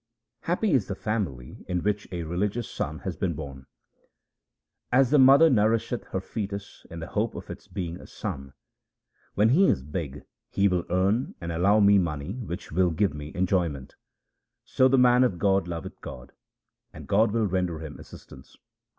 Happy is the family in which a religious son has been born :— As the mother nourisheth her foetus in the hope of its being a son —' When he is big he will earn and allow me money which will give me enjoyment —' So the man of God loveth God, and God will render him assistance.